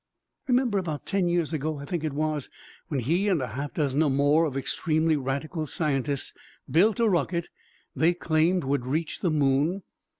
Remember, about ten years ago, I think it was, when he and a half dozen or more of extremely radical scientists built a rocket they claimed would reach the moon?